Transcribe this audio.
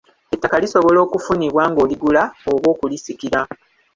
Ettaka lisobola okufunibwa ng'oligula oba okulisikira.